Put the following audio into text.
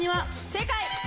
正解。